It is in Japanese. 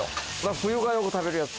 冬によく食べるやつ。